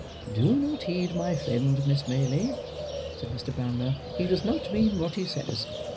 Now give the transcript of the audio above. "Do not heed my friend, Miss Maylie," said Mr. Brownlow; "he does not mean what he says."